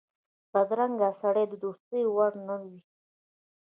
بدرنګه سړی د دوستۍ وړ نه وي